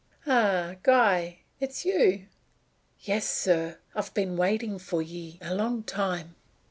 "Ah, Guy! Is it you?" "Yes, sir. I've been waitin' for ye a long time."